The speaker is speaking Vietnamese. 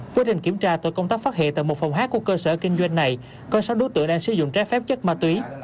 quá trình kiểm tra tội công tác phát hiện tại một phòng hát của cơ sở kinh doanh này có sáu đối tượng đang sử dụng trái phép chất ma túy